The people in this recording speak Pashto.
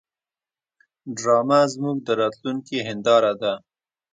ډرامه زموږ د راتلونکي هنداره ده